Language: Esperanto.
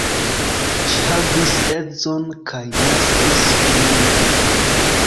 Ŝi havis edzon kaj naskis filinon.